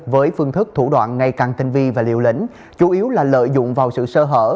với phương thức thủ đoạn ngày càng tinh vi và liều lĩnh chủ yếu là lợi dụng vào sự sơ hở